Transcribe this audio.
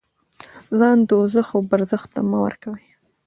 ځان دوزخ او برزخ ته مه ورکوئ.